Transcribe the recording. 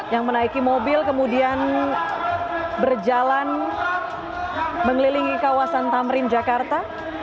yang menaiki mobil kemudian berjalan mengelilingi kawasan tamrin jakarta